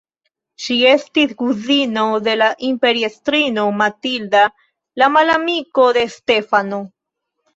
Ŝi estis kuzino de imperiestrino Matilda, la malamiko de Stefano.